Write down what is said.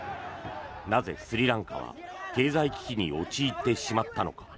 なぜスリランカは経済危機に陥ってしまったのか。